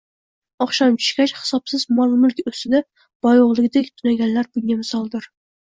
Oqshom tushgach, hisobsiz mol-mulk ustida boyo'g'lidek tunaganlar bunga misoldir.